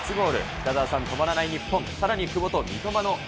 北澤さん、止まらない日本。